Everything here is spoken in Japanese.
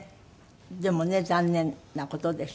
でもね残念な事でしたよね。